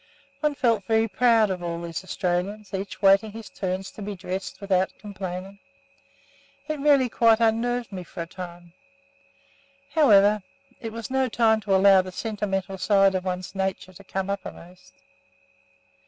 One felt very proud of these Australians, each waiting his turn to be dressed without complaining. It really quite unnerved me for a time. However, it was no time to allow the sentimental side of one's nature to come uppermost.